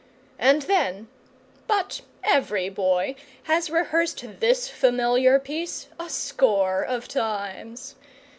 And then but every boy has rehearsed this familiar piece a score of times.